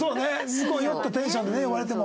向こう酔ったテンションでね呼ばれても。